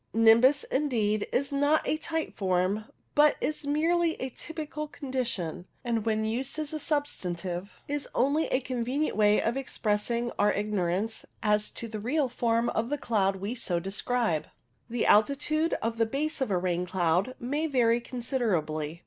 Nimbus, indeed, is not a type form, but is merely a typical condition, and when used as a substantive is only a convenient way of expressing our ignor ance as to the real form of the cloud we so describe. The altitude of the base of a rain cloud may vary considerably.